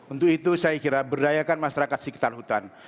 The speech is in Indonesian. untuk itu saya kira berdayakan masyarakat sekitar hutan